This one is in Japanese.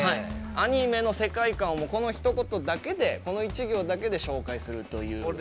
アニメの世界観をこのひと言だけでこの一行だけで紹介するという。